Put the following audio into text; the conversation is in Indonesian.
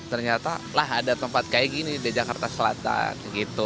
ternyata lah ada tempat kayak gini di jakarta selatan gitu